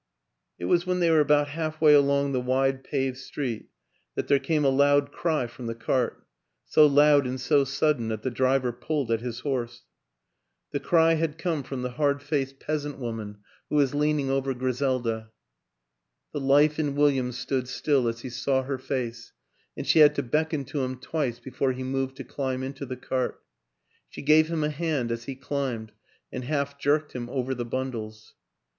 It was when they were about halfway along the wide paved street that there came a loud cry from the cart so loud and so sudden that the driver pulled at his horse. The cry had come from the hard faced peasant WILLIAM AN ENGLISHMAN 167 woman who was leaning over Griselda. The life in William stood still as he saw her face, and she had to beckon to him twice before he moved to climb into the cart; she gave him a hand as he climbed and half jerked him over the bundles.